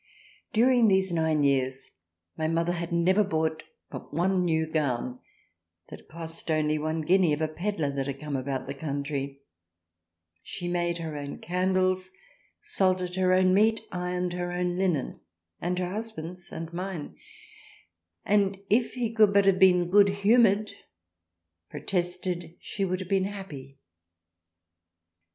During these nine years my Mother had never bought but one new Gown, that cost only one Guinea of a Pedlar that come about the Country, she made her own candles, salted her own meat, ironed her own Linen and her THRALIANA 19 Husbands and mine, and if he would but have been good humoured protested she would have been happy."